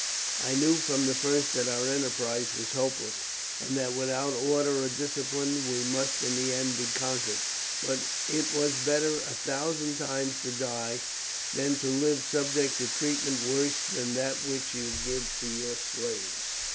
I knew from the first that our enterprise was hopeless, and that without order or discipline we must in the end be conquered; but it was better a thousand times to die than to live subject to treatment worse than that which you give to your slaves."